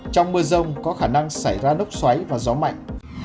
trong mưa rông có khả năng xảy ra lốc xoáy và gió mạnh